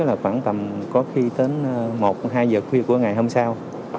là khoảng tầm có khi đến một hai giờ khuya của ngày hôm sau